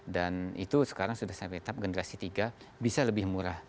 dan itu sekarang sudah sampai etap generasi tiga bisa lebih murah